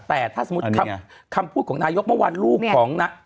แต่ถ้าสมมุติคำพูดของนายกเมื่อวาน